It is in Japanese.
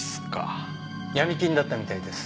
闇金だったみたいです。